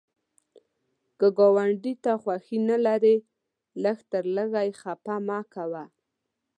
که ګاونډي ته خوښي نه لرې، لږ تر لږه یې خفه مه کوه